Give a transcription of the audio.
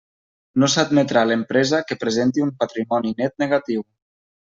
No s'admetrà l'empresa que presenti un patrimoni net negatiu.